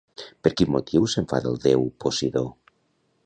Per quin motiu s'enfada el déu Posidó?